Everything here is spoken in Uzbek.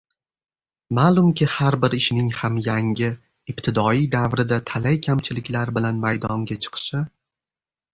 Ma’lumki, har bir ishning ham yangi — ibtidoiy davrida talay kamchiliklar bilan maydonga chiqishi